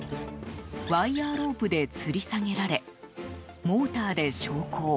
ワイヤロープで吊り下げられモーターで昇降。